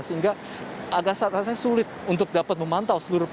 sehingga agak rasanya sulit untuk dapat memantau seluruh penumpang